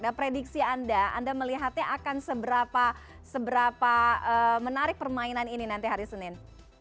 nah prediksi anda anda melihatnya akan seberapa menarik permainan ini nanti hari senin